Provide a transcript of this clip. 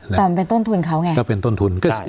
ตามว่าเป็นต้นทุนเขาไง